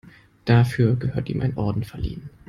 Dafür gehört ihm ein Orden verliehen.